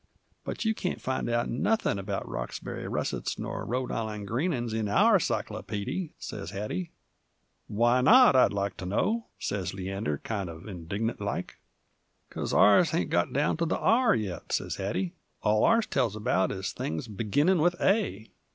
"But you can't find out nothin' 'bout Roxbury russets nor Rhode Island greenin's in our cyclopeedy," sez Hattie. "Why not, I'd like to know?" sez Leander, kind uv indignant like. "'Cause ours hain't got down to the R yet," sez Hattie. "All ours tells about is things beginnin' with A."